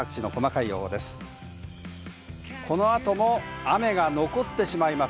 この後、雨が残ってしまいます。